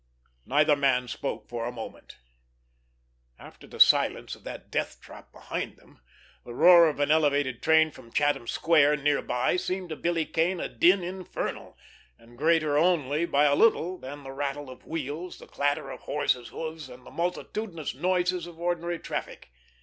Neither man spoke for a moment. After the silence of that death trap behind them, the roar of an elevated train from Chatham Square near by seemed to Billy Kane a din infernal, and greater only by a little than the rattle of wheels, the clatter of horses' hoofs, and the multitudinous noises of ordinary traffic.